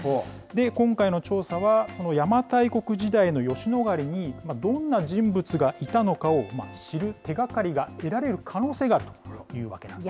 今回の調査は、その邪馬台国時代の吉野ヶ里にどんな人物がいたのかを知る手がかりが得られる可能性があるというわけなんです。